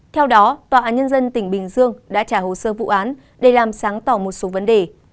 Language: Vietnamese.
theo đó tòa án nhân dân tỉnh bình dương đã trả hồ sơ vụ án để làm sáng tỏ một số vấn đề